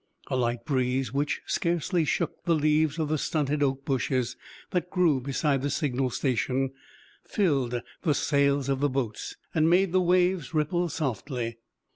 A light breeze, which scarcely shook the leaves of the stunted oak bushes that grew beside the signal station, filled the sails of the boats, and made the waves ripple softly.